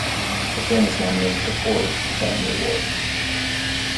The film was nominated for four Academy Awards.